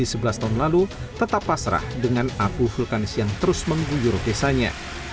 di sebelas tahun lalu tetap pasrah dengan abu vulkanis yang terus mengguyur desanya